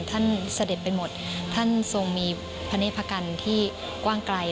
ท่านเสด็จไปหมดท่านทรงมีพระเนภกรรณที่กว้างไกล